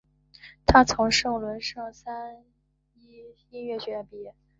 他从伦敦圣三一音乐学院毕业。